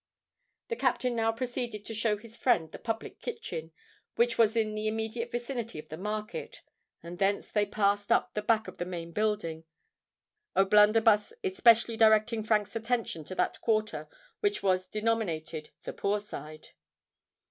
The captain now proceeded to show his friend the public kitchen, which was in the immediate vicinity of the market; and thence they passed up the back of the main building, O'Blunderbuss especially directing Frank's attention to that quarter which was denominated "the Poor Side."